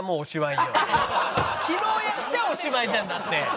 昨日やっちゃおしまいじゃんだって。